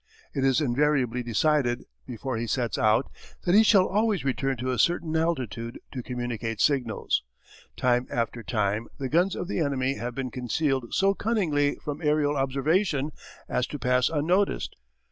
It is invariably decided, before he sets out, that he shall always return to a certain altitude to communicate signals. Time after time the guns of the enemy have been concealed so cunningly from aerial observation as to pass unnoticed.